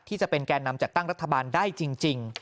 จะเป็นแก่นำจัดตั้งรัฐบาลได้จริง